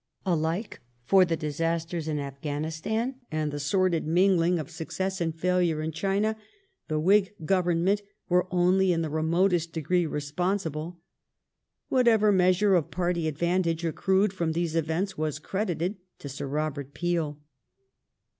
Alike for the disastei's in Afghanistan and the sordid mingling of success and failure in China, the Whig Govern ment were only in the remotest degree responsible ; whatever measure of party advantage accrued from these events was credited to Sir Robert Peel.